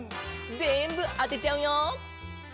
ぜんぶあてちゃうよ！